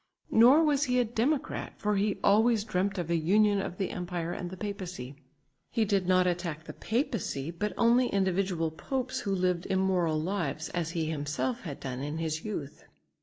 Nor was he a democrat, for he always dreamt of a union of the empire and the papacy. He did not attack the papacy, but only individual popes who lived immoral lives, as he himself had done in his youth.